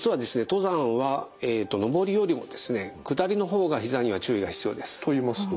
登山は登りよりも下りの方がひざには注意が必要です。といいますと？